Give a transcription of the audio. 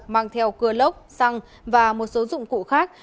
mang theo cưa lốc xăng và một số dụng cụ khác